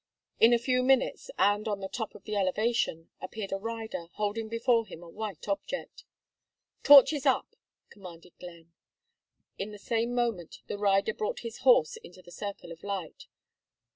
In a few minutes, and on the top of the elevation, appeared a rider, holding before him a white object. "Torches up," commanded Glenn. In the same moment the rider brought his horse into the circle of light.